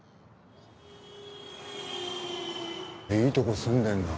いいとこ住んでるな。